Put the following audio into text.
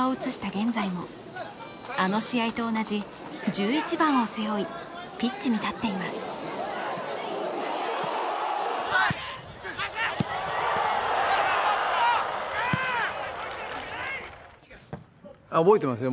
現在もあの試合と同じ１１番を背負いピッチに立っています覚えてますよ